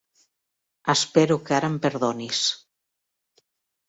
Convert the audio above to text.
Espero que ara em perdonis.